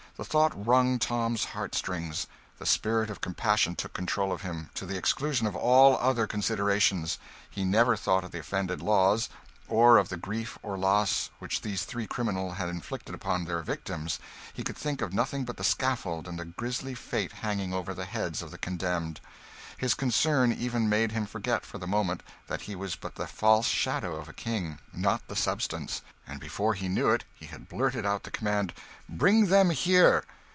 The thought wrung Tom's heart strings. The spirit of compassion took control of him, to the exclusion of all other considerations; he never thought of the offended laws, or of the grief or loss which these three criminals had inflicted upon their victims; he could think of nothing but the scaffold and the grisly fate hanging over the heads of the condemned. His concern made him even forget, for the moment, that he was but the false shadow of a king, not the substance; and before he knew it he had blurted out the command "Bring them here!"